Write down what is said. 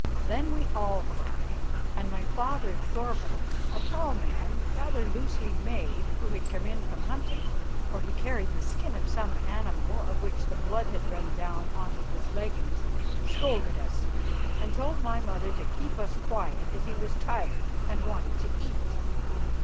Then we all cried, and my father, Thorvald, a tall man, rather loosely made, who had come in from hunting, for he carried the skin of some animal of which the blood had run down on to his leggings, scolded us and told my mother to keep us quiet as he was tired and wanted to eat.